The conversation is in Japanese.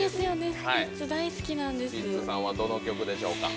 スピッツはどの曲でしょうか？